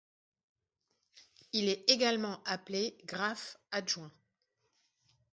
Il est également appelé graphe adjoint.